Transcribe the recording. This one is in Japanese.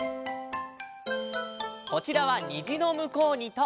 こちらは「にじのむこうに」と。